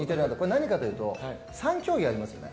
何かというと３競技ありますよね。